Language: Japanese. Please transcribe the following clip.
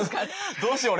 どうしよう俺。